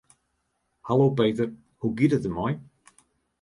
Hallo Peter, hoe giet it der mei?